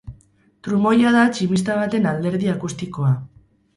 Trumoia da tximista baten alderdi akustikoa.